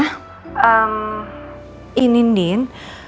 ehm ini indin